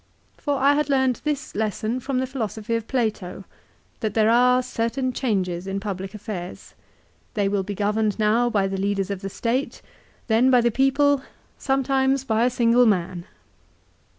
For I had learned this lesson from the philosophy of Plato, that there are certain changes in public affairs. They will be governed now by the leaders of the State, then by the people, some times by a single man."